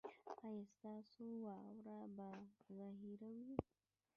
ایا ستاسو واوره به ذخیره وي؟